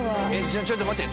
ちょっと待って。